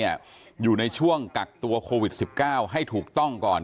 อยู่ในช่วงกักตัวโควิด๑๙ให้ถูกต้องก่อน